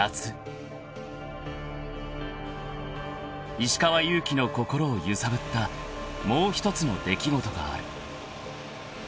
［石川祐希の心を揺さぶったもう一つの出来事がある］